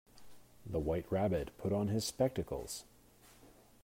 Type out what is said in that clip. The White Rabbit put on his spectacles.